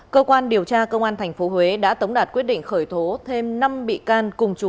cơ quan điều tra công an tp huế đã tống đạt quyết định khởi tố thêm năm bị can cùng chú